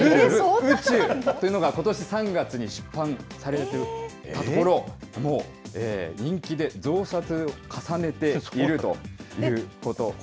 宇宙というのが、ことし３月に出版されたところ、もう人気で、増刷を重ねているということなんですね。